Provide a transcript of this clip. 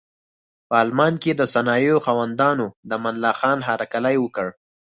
په المان کې د صنایعو خاوندانو د امان الله خان هرکلی وکړ.